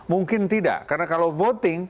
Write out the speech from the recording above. mungkin tidak karena kalau voting